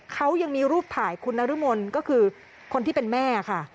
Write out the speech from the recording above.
เขายังมีรูปถ่ายคุณนรมนก็คือคนที่เป็นแม่ค่ะ